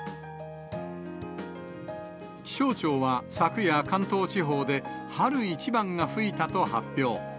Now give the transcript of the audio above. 気象庁は昨夜、関東地方で春一番が吹いたと発表。